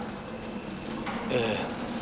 ええ。